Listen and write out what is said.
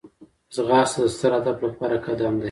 ځغاسته د ستر هدف لپاره قدم دی